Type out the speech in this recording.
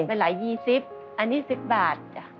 เป็นหลาย๒๐อันนี้๑๐บาท